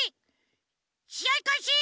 しあいかいし！